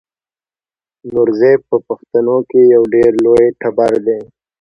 نورزی په پښتنو کې یو ډېر لوی ټبر دی.